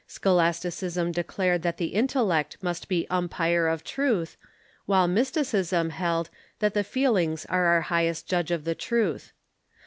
Scholasticism declared that the intellect must be the umpire of truth, while mysticism held that the feelings are our highest judge of the truth.